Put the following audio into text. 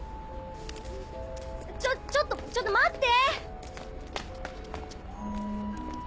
ちょちょっとちょっと待って！